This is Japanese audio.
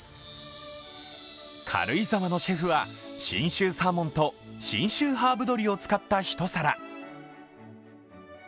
軽井沢のシェフは、信州サーモンと信州ハーブ鶏を使ったひと皿。